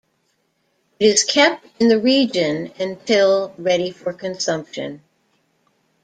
It is kept in the region until ready for consumption.